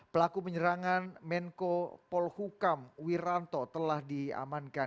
pelaku penyerangan menko polhukam wiranto telah diamankan